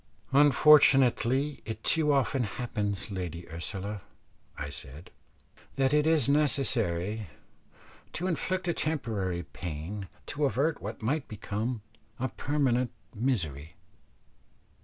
"Unfortunately it too often happens, Lady Ursula," I said, "that it is necessary to inflict a temporary pain to avert what might become a permanent misery."